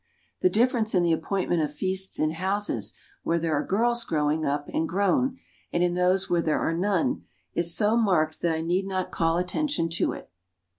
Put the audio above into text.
The difference in the appointment of feasts in houses where there are girls growing up and grown, and in those where there are none, is so marked that I need not call attention to it.